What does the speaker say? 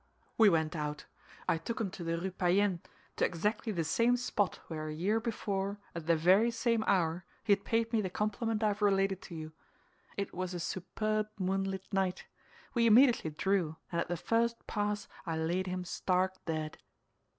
"We went out. I took him to the Rue Payenne, to exactly the same spot where, a year before, at the very same hour, he had paid me the compliment I have related to you. It was a superb moonlight night. We immediately drew, and at the first pass I laid him stark dead."